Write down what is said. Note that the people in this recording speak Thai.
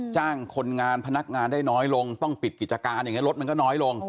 จ้างคนงานพนักงานได้น้อยต้องปิดกิจการรถมันก็น้อยลง